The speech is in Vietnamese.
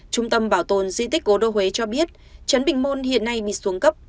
trung tâm bảo tồn di tích gỗ đô huế cho biết trấn bình môn hiện nay bị xuống cấp